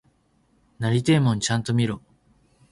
なりてえもんちゃんと見ろ！